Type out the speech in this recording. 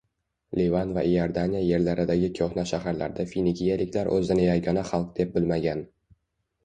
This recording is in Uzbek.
Livan va Iordaniya yerlaridagi ko‘hna shaharlarda finikiyaliklar o‘zini yagona xalq deb bilmagan.